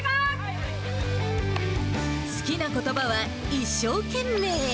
好きなことばは、一生懸命。